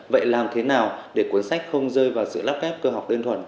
vậy làm thế nào để cuốn sách không rơi vào sự lắp kép cơ học đơn thuần